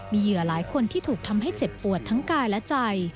มีเหยื่อหลายคนที่ถูกทำให้เจ็บปวดทั้งกายและใจ